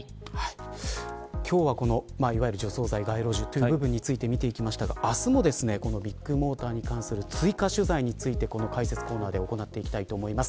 今日は除草剤や街路樹ということについて見ましたが明日もビッグモーターに関する追加取材についてこの解説コーナーで行っていきたいと思います。